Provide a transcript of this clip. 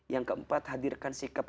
yang keempat hadirkan sikap